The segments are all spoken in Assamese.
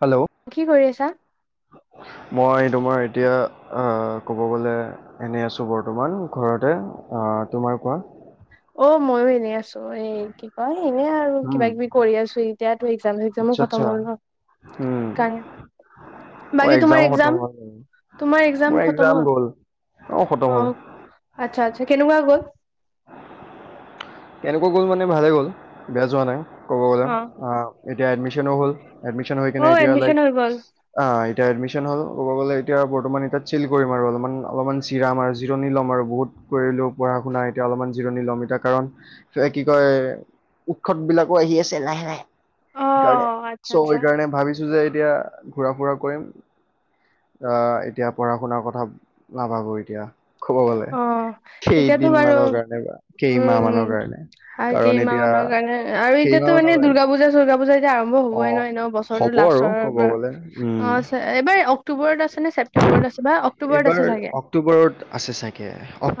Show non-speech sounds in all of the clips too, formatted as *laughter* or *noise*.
হেল্ল' কি কৰি আছা? মই তোমাৰ এতিয়া ক'ব, গ'লে এনেই আছোঁ বৰ্তমান ঘৰতে তোমাৰ কোৱা? অ মইয়ো এনেই আছো। ত এই কি কয় এনে আৰু উম কিবা কিবি কৰি আছো। এতিয়াতো এক্জাম চিক্জাম আচ্ছা খতম আচ্ছা হ'ল ন। উম কাৰণে অ বাকী তোমাৰ এক্জামো খতম এক্সাম হয়। তোমাৰ এক্জাম খতম হল, খতম অ হ'ল আচ্ছা আচ্ছা কেনেকুৱা গ'ল। কেনেকুৱা গ'ল মানে ভালেই গ'ল, বেয়া যোৱা নাই। ক'ব গ'লে অ। আহ এতিয়া এডমিচনো হল, এডমিচন হৈ কিনে অ' এতিয়া এডমিচন লাইক হৈ গ'ল আহ এতিয়া এডমি্চন হ'ল' কব গ'লে এতিয়া বৰ্তমান এতিয়া চিল কৰিম আৰু অলপমান, অলপমান চিৰাম আৰু জিৰণি ল'ম আৰু বহুত কৰিলোঁ পঢ়া শুনা এতিয়া অলপমান জিৰণি ল'ম, এতিয়া কাৰণ। কিবা কি কয় উৎসত বিলাকো আহি আছে লাহে লাহে। অ' সিকাৰণে অ' আচ্ছা চো আচ্ছা এইকাৰণে ভাবিছো যে এতিয়া ঘূৰা ফুৰা কৰিম। এতিয়া পঢ়া শুনাৰ কথা নাভাবোঁ এতিয়া ক'ব গ'লে অ এতিয়াতো কেইদিন বাৰু মানৰ কাৰণে বা উম উ কেইমাহ মানৰ কাৰণে আৰু কাৰণ কেইমাহ এতিয়া মানৰ কাৰণে আৰু কেইমাহ এতিয়াাতো মানৰ মানে দ কাৰণে দুৰ্গা পুজা চৰ্গা পূজা আৰম্ভ অ হ'বই ন ন বছৰো হ'ব আৰু লাষ্টৰ ক'ব পৰা গ'লে অ উম এইবাৰ অক্টোবৰত আছে নে ছেপ্তেম্বৰ এইবাৰ অক্টোবৰত আছে চাগে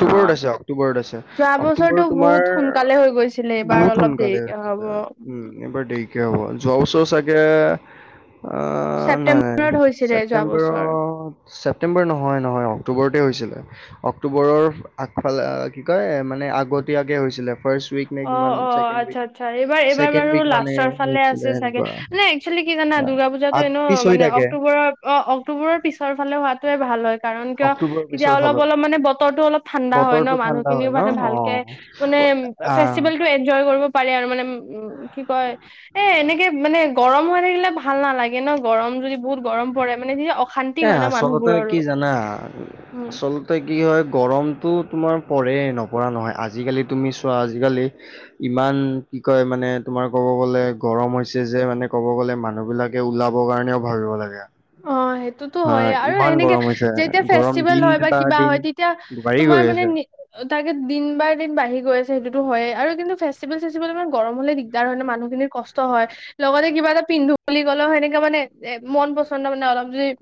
অ' আছে অক্টোবৰত আছে যোৱা বছৰটো অক্টোবৰত বহুত তোমাৰ সোনকালে হৈ গৈছিলে এইবাৰ বুত অলপ দেৰিকে হ'ব। সোনকালেছিল উম এইবাৰ দেৰিকে হব যোৱা ওৰত চাগে ছেপ্টেম্বৰ ছেপটেম্বৰ ছেপ্তেম্বৰ নহয় নহয় অক্টোবৰতে হৈছিলে অক্টোবৰৰ আগফালে কি কয় মানে আগতীয়াকে হৈছিলে ফাৰ্ষ্ট উইক নে অ কিমান অ ছেকেণ্ড আচ্ছা উইক আচ্ছা এইবাৰ এইবাৰ ছেকেণ্ড বাৰু উইক মানে লাষ্টৰ ফালে হৈছিলে চাগেে সেনেকুৱা। এক্চেলি কি জানা দ আহ, দুৰ্গা পুজাতো আগ এনেো পিছ হৈ মানে থাকে অক্টোবৰৰ অ্ৰৰ পিছৰ ফালে লে হোৱাাতোৱে ভাল হয় কাৰণ কিয় অক্টোবৰৰ তেতিয়া পিছৰ অলপ ফালৰ অলপ মানে বতৰো অলপ ঠাণ্ডা হয় ন বতৰটো মানুহ ঠাণ্ডা হয় খিনিও ন? মানে ভালকে মানে অ'। আ, ফেষ্টভেল টো এনজয় কৰিব পাৰে আৰু মানে উ কি কয় এ এনেকে মানে গৰম হৈ থাকিলে ভাল নালাগে ন গৰম যদি বহুত গৰম পৰে মানে যদি এ আচলতে কি জানা উম আচলতে কি হয় গৰমটো তোমাৰ পঢ়ে নপঢ়া নহয় আজিকালি তুমি চোৱা আজিকালি ইমান কি কয় মানে তোমাৰ ক'ব গ'লে গৰম হৈছে যে মানে ক'ব গ'লে মানুহ বিলাকে ওলাব কাৰণেও ভাবিব লাগে তো হা হয় আৰু ইমান এনেকে গৰম হৈছে যেতিয়া গৰম ফেষ্টিভেল দিন হয় বা কিবা দিন হয় তেতিয়া বাঢ়ি তোমাৰ গৈ মানে আছে। নি তাকে দিন বাাৰ দিন বাঢ়ি গৈ আছে সেইটোতো হয় আৰু কিন্তু ফেষ্টিেল চেষ্টভেল ইমান গৰম হ'লে দিগদাৰ হয় নে মানুহ খিনিৰ কষ্ট হয় লগতে কিবা এটা পিন্ধ গ'ল সেনেকে মানে এ মন বস্ত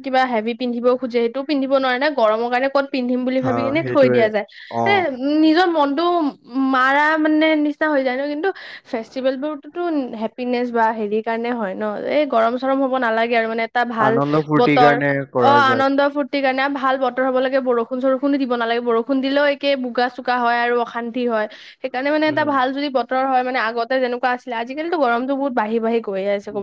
কিবা হেভি পিন্ধিব খোজে সেইটোও পিন্ধ নোৱাৰে ন গৰমৰ কাৰণে ক'ত পিন্ধিম বুলি হা ভাবি কিনে থৈ সেইটোৱে দিয়া যায় অ নিজৰ মন *unintelligible* মাৰা মানে নিচিনা হৈ যায় ন কিন্তু ফেষ্টিভেল বোৰততো হেপিনেচ বা হেৰি কাৰণে হয় ন এই গৰম চৰম হ'ব নালাগে আৰু মানে এটা ভাল আনন্দ ফূৰ্তিৰ বতৰ কাৰণে অ কৰা যায়। আনন্দ ফ সেই কাৰণে ভাল বতৰ হব লাগে বৰষুণ চৰষুণো দিব নালাগে বৰষুণ দিলেও একে বগা চোকা হয় আৰু অশান্তি হয় সেইকাৰণে মানে উম এটাাল য বতৰ হয় মানে আগতে যেনেকুৱা আছিলে আজিকালিটো গৰমত বহুতঢ়ি বাঢি গ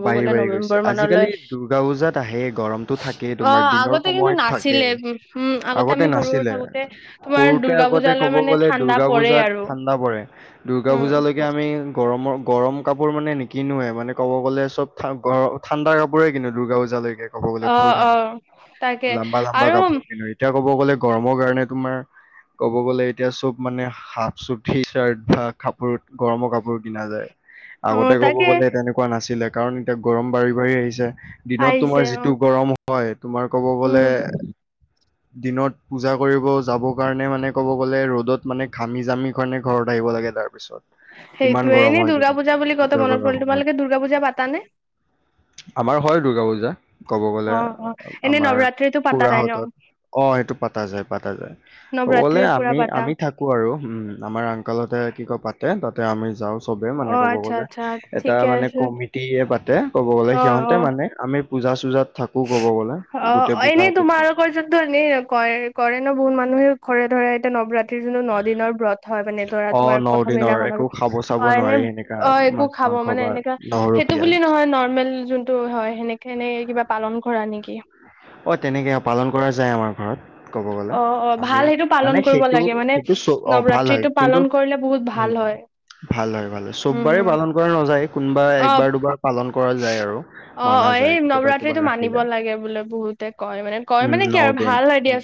বাঢ়ি বাঢ়ি গৈছে আজিকালি দ দুৰ্গা পূজাত আহে গৰমতটো থাকেই অ তোমাৰ দিনৰ আগতে কিন্তু সময়ত থাকে নাছিলে উম উম আগতে আমি সৰু সৰু নাছিলে থাকোতে তোমাৰ সৰুতে দুৰ্গা আগতে পূজালৈ ক'ব মানে গ'লে ঠাণ্ডা দূৰ্গা পৰে পূজাত আৰু ঠাণ্ডা পৰে দৰ্গা উম পূজাালৈকে আমি গৰমৰ গৰম কাপোৰ মানে নিকিনোৱে মানে ক'ব গ'লে চবাৰ ঠাণ্ডা কাপোৰে কিনু দুৰ্গা পূজালৈকে ক'ব গলে অ সৰু অ তাকে থাকোতে লম্বা লম্বা আৰু গাপোৰ কিন্তু এতিয়া ক'ব গ'লে গৰমৰ কাৰণে তোমাৰ ক'ব গ'লে এতিয়া চব মানে হাফ চুটি চাৰ্ট বা কাপোৰত গৰমৰ কাপোৰ কিনা যায় অ আগতে কব তাকে গ'লে তেনেকুৱা নাছিলে কাৰণ এতিয়া গৰম বাঢ়ি বাঢ়ি আহিছে দিনত আহিছে তোমাৰ অ যিটো গৰম হয় তোমাৰ ক'ব গলে উম দিনত পূজা কৰিব যাব কাৰণে মানে ক'ব গলে ৰ'দত মানে ঘামি জামি কাৰণে ঘৰত আহিব লাগে তাৰ পিছত ইমান সেইটোয়ে গৰম এনেই দ হয় দুৰ্গা দিনত পূজা বুলি কতে মনত কৰাৰ পৰিল সময়ত তোমালোকে দুৰ্গা পূজা পাতানে আমাৰ হয় দুূৰ্গা পূজা কব গলে অ অ এনে আমাৰ নৱৰাত্ৰিতো পাতা যায় ন খুৰাহঁতত অ সটো পাতা যায় পাতা যায় কবলে নৱৰাত্ৰি পুৰা আমি পাতা আমি থাকো আৰু উম আমাৰ আংকালতে কি কয় পাতে তাতে আমি যাওঁ চবে মানে অ ক'ব আচ্ছা গ'লে আচ্ছা এটা ঠিকে মানে আছে কমিটিে পাতে ক'ব গ'লে অ অ সিহঁতে মানে আমি পূজা চূজাত থাকো ক'ব গ'লে অ গোটেই এনেই পূজাটোত থাকো তোমালোকৰ যৰততো এনেই কৰে কৰে ন বহুত মানুহে ঘৰে ধৰে এতিয়া নৱৰাত্ৰিৰ যো ন দিনৰ ব্ৰত হয় মানে ধৰা অ তোমাৰ ন প্ৰথম দিনৰ দিনাখন একো খাব চাব অ এনে নোৱাৰি সেনেকা অ একো মাছ খাব মাংস মানে বা এনেকা নহৰু এইটো পিয়াজ বুলি নহয় নৰ্মেল যোনটো হয় সেনেকে এনে কিবা পালন কৰা নেকি অ' তেনেকে পালন কৰা যায় আমাৰ ঘৰত ক'ব গলে অ অ আমি ভাল সেইটো পালন মানে কৰিব সেইটো লাগে মানে সেইটো চ অ' ভাল হয় নৱৰাত্ৰিটো কিন্তু পালন কৰিলে বহুত ভাল উম হয় ভাল হয় ভাল হয় উম চববাৰে হম পালন কৰা নাযায় কোনোবা অ একবাৰ দুবাৰ পালন কৰা যায় আৰু অ মান অ', এই নৱৰাত্ৰিটো মানিব লাগে বোলে বহুতে কয় মানে কয় উম মানে কি ন আৰু দিন ভাল আডিয়া উম,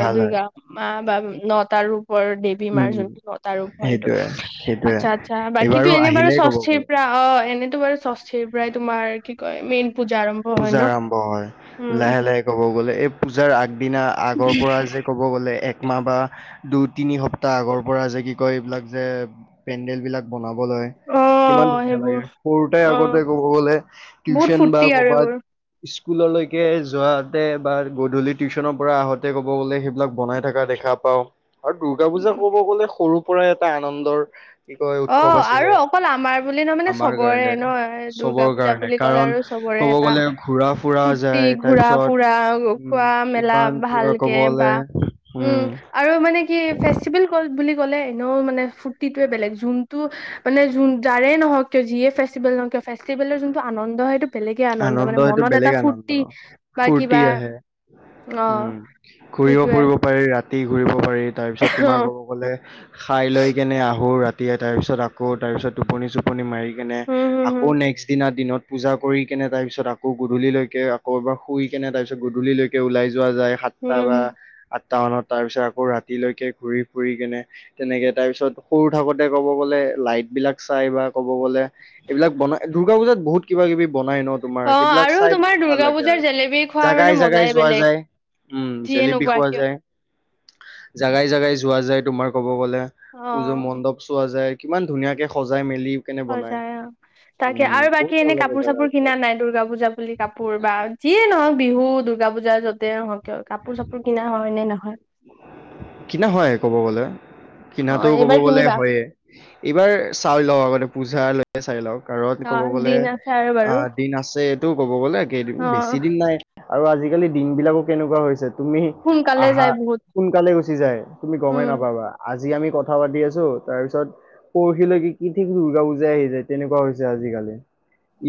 ভাল হয় দুৰ্গা মা বা নটা ৰূপ ৰ দেৱী উম মাৰ যোনটো নটা ৰূপ হয় এইটো সেইটোয়ে সেইটোয়ে আচ্ছা আচ্ছা বাকী এইবাৰো এনে বাৰু আহিলেই ক'ব ষষ্ঠিৰ গ'লে পৰা অ', এনেইতো বাৰু ষষ্ঠিৰ পৰাই তোমাৰ কি কয় মেইন পূজা আৰম্ভ হয় পূজা ন আৰম্ভ হয় উম লাহে লাহে ক'ব গ'লে এই পূজাৰ আগদিনা আগৰ পৰা যে ক'ব গ'লে একমাহ বা দুই তিনি সপ্তাহ আগৰ পৰা যে কি কয় এইবিলাক যে পেণ্ডেল বিলাক বনাব অ কিমান ধুনীয়া সেইবোৰ লাগে সৰুতে অ আগতে ক'ব গলে বহুত টিউচন বা ফূৰ্তি আৰু ক'বাত এইবোৰ স্কুললৈকে যাওঁতে বা গধূলি টিউচনৰ পৰা আহোতে ক'ব গলে সেইবিলাক বনাই থকা দেখা পাওঁ আৰু দুৰ্গা পূজা ক'ব গ'লে সৰু পৰাই এটা আনন্দৰ কি কয় অ উৎসৱ আছিলে আৰু অকল আমাৰ বুলি নহয় মানে আমাৰ চবৰে কাৰণে ন দুৰ্গা চবৰ পূজা কাৰণে বুলি ক'লে কাৰণ আৰু চবৰে ক'ব এটা গ'লে ঘুৰা ফুৰা ফূৰ্তি যায় ঘুৰা তাৰপিছত ফুৰা উম খোৱা মেলা ইমান পুৰা ভালকে বা কবলে উম আৰু মানে কি ফেষ্টিভেল হল বুলি গলে এনেও মানে ফূৰ্তিটোৱে বেলেগ যোনটো মানে যাৰে নহওক- কিয় যিয়ে ফেষ্টিভেল ন কিয় ফেষ্টিভেলৰ যোনটো আনন্দ সেইটো বেলেগে আনন্দ মানে এইটো মনত এটা বেলেগ আনন্দ ফূৰ্তি বা ফূৰ্তি কিবা আহে অ উম ঘুৰিব সেইটোয়ে ফুৰিব পাৰি ৰাতি ঘূৰিব পাৰি তাৰপিছত অ তোমাৰ ক'ব গ'লে খাই লৈ কেনে আহোঁ ৰাতি দিয়ে তাৰ পিছত আকৌ তাৰ পিছত টোপনি- চোপনি মাৰি কেনে উম হম আকৌ হম নেক্সট দিনা দিনত পূজা কৰি কেনে তাৰ পিছত আকৌ গধূলিলৈকে আকৌ এবাৰ শুই কিনে তাৰ পিছ গধূলিলৈকে ওলাই যাওঁ যোৱা যায় সাতটা হম বা হম টাউনত তাৰ পিছত আকৌ ৰাতিলৈকে ঘূৰি- ফুৰি কেনে তেনেকে তাৰ পিছত সৰু থাকোতে ক'ব গ'লে লাইট বিলাক চাই বা ক'ব গ'লে, এইবিলাক বনাই দূৰ্গা পুজাত বহুত কিবা-কিবি, কিবি বনাই ন, অ তোমাৰ সেইবিলাক আৰু চাই তোমাৰ বহুত ভাল দুৰ্গা লাগে পূজাৰ আৰু, জেলেবি খোৱাৰ মানে জাগাই মজাই জাগাই যোৱা বেলেগ যায়। উম, যিয়ে জেলেপি নোকোৱা খোৱা কিয় যায় জাগাই-জাগাই যোৱা যায় তোমাৰ ক'ব গ'লে, অ পূজা মণ্ডপ চোৱা যায়। কিমান ধুনীয়াকে সজাই মে হয় যায় অ', তাকে। আৰু বাকী বহুত ভাল এনে লাগে কাপোৰ জাগা চাপোৰ কিনা বিলাক নাই দূৰ্গা পূজা বুলি কাপোৰ বা যিয়ে নহওক বিহু দুৰ্গা পূজা য'তেই নহওঁক। কাপোৰ-চাপোৰ কিনা হয়নে নহয়? কিনা হয় ক'ব গ'লে। অ কিনাতো কব এইবাৰ গ'লে কিনিবা হয়য়ে, এইবাৰ চাই লওঁ আগতে পূজা লৈকে চাই লওঁ। কাৰণ অ ক'ব গ'লে দিন আছে আৰু বাৰু অ' দিন আছে, এইটো ক'ব গ'লে কেইদিন অ বেছি দিন নাই। আৰু আজিকালি দিন বিলাকো কেনেকুৱা হৈছে তুমি সোনকালে আহা যায় বহুত সোনকালে গৈছে। গুচি যায়। তুমি গমে উম নাপাবা আজি জি আমি কথা পাতি আছোঁ, তাৰ পিছত পৰহিলৈকে কি ঠিক দুৰ্গা পূজাই আহি যায়। তেনেকুৱা হৈছে আজি কালি,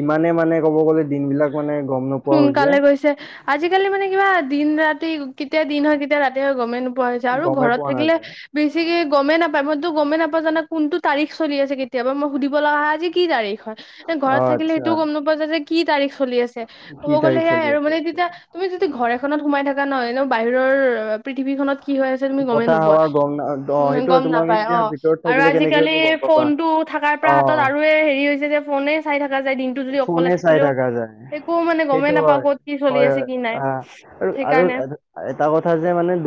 ইমানে মানে কব গ'লে দিন বিলাক মানে গম নোপোৱা হৈছে সোনকালে গৈছে, আজিকালি মানে কিবা দিন ৰাতি কেতিয়া দিন হয়, কেতিয়া ৰাতি হয়, গমেই নোপোৱা হৈছে আৰু গমেই ঘৰত পোৱা থাকিলে নাযায়। বেছিকে গমেই নাপায়। মই টো গমেই নাপাও জানা কোনটো তাৰিখ চলি আছে, কেতিয়াবা মই সুধিব লগা হয় যে কি তাৰিখ হয়? এ, অ ঘৰত থাকিলে আচ্ছা সেইটোওঁ গ'ম নোপোৱা যায় যে, কি তাৰিখ? চলি আছে কি ক'ব গ'লে তাৰিখ সেয়াই চলি আৰু আছে মানে এইটো? তেতিয়া তুমি যদি ঘৰ এখনত সোমাই থাকা ন'। বাহিৰৰ অ'। পৃথিৱীখনত কি হৈ আছে তুমি গমেই বতাহ নোপোৱা, হাৱা গম না অ সেইটো গম তোমালোকে নাপায় এতিয়া অ'। ভিতৰত আৰু থাকিলে আজিকালি কেনেকেনো গম পাবা ফোন টো থকাৰ পৰা অ হাতত আৰু হেৰি হৈছে যে ফোনে চাই থকা যায় দিনটো যদি অকলে ফোনে থাকে চাই থখা যায় সেইটো হয় ক'ত কি চলি হয় আছে হয় কি নাই হ আৰু আৰু সেইকাৰণে এটা কথা যে মানে *unintelligible* দ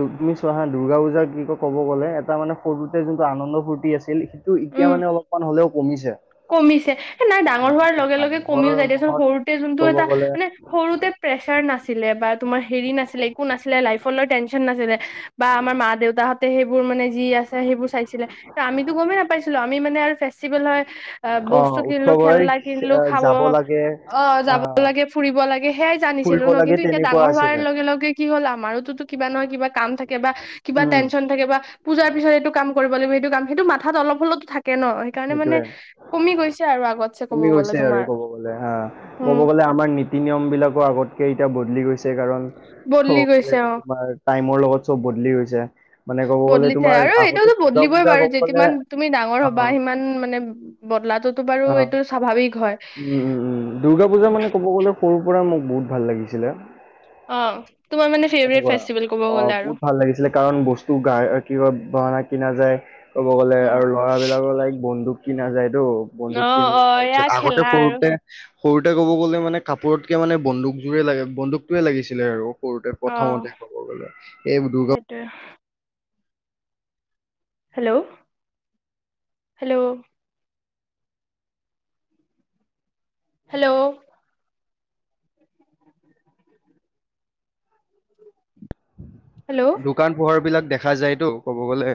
দুৰ্গা পুজা কি কব গ'লে এটা মানে ফটোতে যোনটো আনন্দ ফূ্তি আছিল সেইটো এতিয়া উম মানে অলপমান হয় হলেও কমিছে কমিছে স নাই ডাঙৰ হোৱাৰ কমিছে লগে লগে মানুহৰ কমিও যায় দেচোন মনত সৰুতে যোনটো ক'ব এটা গ'লে মানে সৰুতে প্ৰেচাৰ নাছিলে বা তোমাৰ হেৰি নাছিলে একো নাছিলে লাইফৰ ল টেনশচন নাছিলে বা আমাৰ মা দেউতাহঁতে সেইবোৰ মানে যি আছে সেইবোৰ চাইছিলে ত আমিতো গমেই নাপাইছিলো আমি মানে আৰু ফেষ্টিভেল হয় অ বস্তু কিনিলো উৎসৱ হৈ খেলা কিনিলো খাব যাব লাগে অ যাব আহ লাগে ফুৰিব লাগে সেয়াই জানি ছিলো ফুৰিব ন লাগে কিন্তু এতিয়া তেনেকুৱা ডাঙৰ হোৱাৰ আছিলে লগে লগে কি হ'ল আমাৰোতোো কিবা নহয় কা কাম থাকে বা কিবা উম টেনশন থাকে বা পূজাৰ পিছত এইটো কাম কৰিব লাগিব সেইটো কাম সেইটো মাথাত অলপ হললেতো থাকে ন সেই কাৰণে মানে সেইটোয়ে কমি গৈছে আৰু আগতছে ক'ব কমি গ'লে গৈছে আৰু তোমাৰ ক'ব গ'লে হা উম ক'ব গ'লে আমাৰ নীতি নিয়ম বিলাকো আগতে কটা বদলি গৈছে কাৰণ বদলি গৈছে অ তোমাৰ টাইমৰ লগত চব বদলি গৈছে মানে ক বদলিছে আৰু এইটোতো বদলিবই বাৰু গ'লে যিমান তুমি ডাঙৰ অ হবা সিমান মানে বদলাটোতো বাৰু অ আৰু এইটো স্বাভাৱিক হয়। উম উম উম দুৰ্গা পূজা মানে ক'ব গ'লে সৰুৰ পৰাই মোক বহুত ভাল লাগিছিলে। অ তোমাৰ মানে ফেভৰেট সনেকুৱা ফেষ্টিভেল ক'ব অ গ'লে আৰু বহুত ভাল লাগিছিলে কাৰণ বস্তু গাই কিবানা। কিনা যায় ক'ব গ'লে উম, আৰু ল'ৰাবিলাকে লাইক বন্দুক কিনা যায়। এইটো অ বন্ধুক কিনো অ তাৰ এয়া পিছত আগতে খেলা আৰু সৰুতে। সৰুতে ক'ব গ'লে মানে কাপোৰতকে মানে বন্দুক জোৰে লাগে বন্দুকটোৱে লাগিছিলে আৰু কৰোতে অ প্ৰথমতে ক'ব গলে এই দুৰ্গ সেইটোয়ে হেল্ল হেল্ল, হেল্ল, হেল্ল' দোকান পোহাৰ বিলাক দেখা যায়তো কব গলে।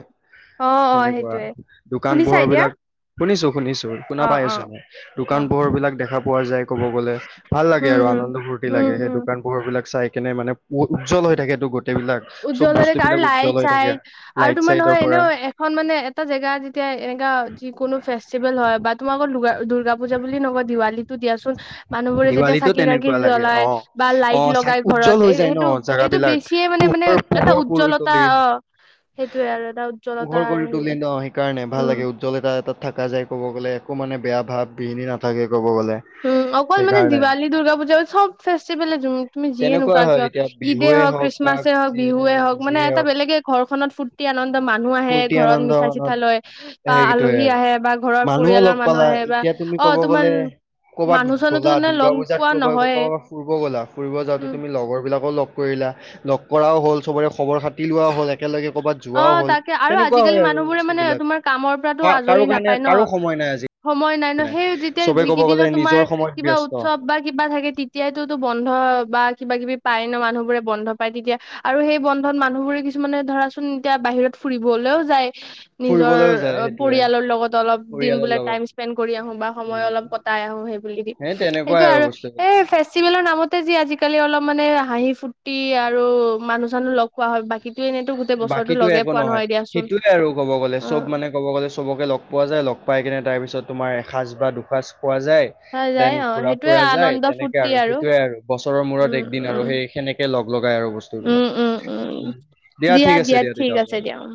অ অ সনেকুৱা সেইটোয়ে দোকান শুনিছা পোহৰ এতিয়া বিলাক। শুনিছো শুনিছো শুনা অ পাই অ আছ মই অ দোকান পোহৰ বিলাক দেখা পোৱা যায় ক'ব গলে ভাল লাগে হম আৰু হম আনন্দবোৰ। ফূতি হম লাগে সেই হম দোকান পোহৰ বিলাক চাই কিনে মানে উজ্জ্বল হৈ থাকেটো। বিলাক চব বস্তু উজ্জ্বলতাৰক আৰু বিলাক লাই উজ্জ্বল হৈ চাই থাকে আৰু লাইট তোমাৰ চাইটৰ নহয় পৰা এনেও এখন মানে এটা জেগা যেতিয়া। এনেকা যি কোনো ফেষ্টিভেল হয় বা তুমাৰলোকৰ দুৰ্গা পুজা বুলি নকয় দিৱালী দিয়াচোন। মানুহবোৰে যেতিয়া দিৱালীটো চাকি তাকি তেনেকুৱা লাগে জ্বলাই অ বা অ লাইট চাই লগাই ঘৰত উজ্জ্বল এ হৈ যায় ন সেইটো এইটো জাগাবিলাক বেছিয়ে, মানে মানে পোহৰ এটা পোহৰ কৰি উজ্জ্বলতা তুলি অ। সেইটোয়ে আৰু এটা পোহৰ উজ্জ্বলতাৰ কৰি হেৰি তলে ন সেইকাৰণে ভাল উম লাগে উজ্জ্বলে তাত। তাত থকা যায় ক'ব গ'লে একো মানে বেয়া ভাৱ বিহিনি নথাকে। উম অকল মানে দিৱালী দুৰ্গা পুজা চব ফেষ্টিভলে তুমি যিয়ে তেনেকুৱাই নুৱা হয় কিয়। এতিয়া ইে বিহুৱে হ হওক বা ক্ৰিছমছ। হওক যিয়ে বিহুৱে হওক মানে যিয়ে এটা হওক বেলেগে ঘৰখননত ফুৰৰ্তি আনন্দ মানুহ আহে ফূৰ্তি ঘৰত আনন্দ মিঠাই চিঠা মানত লৈ। বা সেইটোৱে আলহী আৰু আহে বা ঘৰৰ মানুহো পৰিয়ালৰ লগ মানুহ পালা আহে বা এতিয়া তুমি অ ক'ব তোমাৰ। গ'লে ক'ৰবাত মানুহ চানুহতো গ'লা নে দুৰ্গা লগ পূজাত পোৱা কব নহয়ে কবাত ফুব গলা ফুৰিব যাওঁতে উম তুমি লগৰ বিলাকৰ লগ। কৰিলা লগ কৰাও হ'ল চবৰে খবৰ খা। কাটি লোৱা হ'ল একেলগে কৰ'বাত অ যোৱা হ'ল তাকে আৰু তেনেকুৱা আজিকালি হয় আৰু মানুহবোৰে মানে বস্তুবিলাক তোমাৰ কামৰ পৰাতো আজৰি তাৰো কাৰণে। নাপায় ন কাৰো সময় নাই আজি। নাই সময় ন সেই যেতিয়া চবে ক'ব গ'লে যিকিদিনত তোমাৰ নিজৰ সময়ত কিবা ব্যস্ত উৎসৱ বা কিবা থাকে তেতিয়ো তো বন্ধ বা কিবা কিবি পায় ন মানুহ বোৰে বন্ধ পায় তেতিয়া আৰু সেই বন্ধত মানহ। ৰে কিছুমানে ধৰাচোন এতিয়া বাহিৰত ফুৰিবলৈও যায়। নিজৰ ফুৰিবলৈও যায় সেইটোৱে পৰিয়ালৰ লগত অলপ দিন পৰিয়ালৰ ব লগত টাইম স্পেড কৰি আহো বা সময় উম, অলপ। সেই তেনেকুৱাই সেইটোৱে আৰু বস্তুবিলাক সেই ফেষ্টিভেলৰ নামত। তে যি আজিকালি অলপ মানে হাঁহি ফূৰ্তি আৰু মানুহ চানুহ লগ পোৱা হয় বাকীে এনেইতো গোটেই। বছৰটো বাকীতো লগে একো পোৱা নহয় দিয়াচোন সেইটোয়ে আৰু ক'ব গলে অ চব মানে ক'ব গ'লে চবকে লগ পোৱা যায় লগ। পাই কেনে তাৰপিছত তোমাৰ এসাঁজ বা দুসাঁজ। খোৱা যায় পোৱা দেন যায় অ ঘুৰা সেইটোয়ে ফুৰা যায় আনন্দ তেনেকে ফূুৰ্তি আৰু সেইটোয়ে আৰু বছৰৰ মূৰত উম একদিন আৰু উম সেই। তেনেকে লগ লগাই আৰু বস্তু উম বিলাক উম উম দিয়া ঠিক আছে দিয়া ঠিক তেতিয়া। আছে দিয়া উম